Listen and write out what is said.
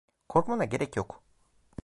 Korkmana gerek yok.